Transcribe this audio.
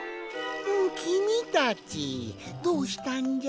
きみたちどうしたんじゃ？